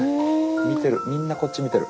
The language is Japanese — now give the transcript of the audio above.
見てるみんなこっち見てる。